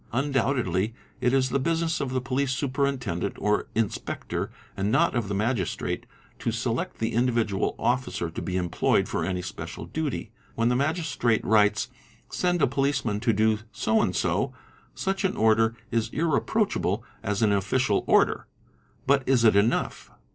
Undoubtedly it is the business of the police Superintendent or it, nspector and not of the Magistrate to select the individual officer to be 'employed for any special duty; when the magistrate writes, 'send a policeman to do so and so'', such an order is irreproachable as an official order,—but is it enough?